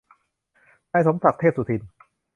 นายสมศักดิ์ เทพสุทิน